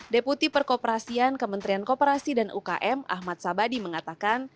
deputi perkoperasian kementerian kooperasi dan ukm ahmad sabadi mengatakan